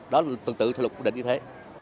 đó là tương tự theo luật quy định như thế